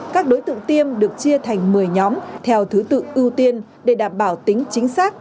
các đối tượng tiêm được chia thành một mươi nhóm theo thứ tự ưu tiên để đảm bảo tính chính xác